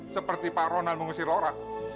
seperti pak ronald mengusir lora